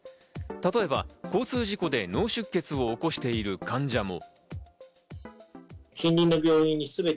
例えば交通事故で脳出血を起こしている患者も。